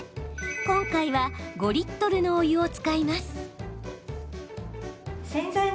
今回は５リットルのお湯を使います。